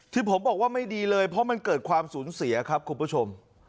ที่ผมบอกว่าไม่ดีเลยเพราะมันเกิดความสูญเสียครับคุณผู้ชม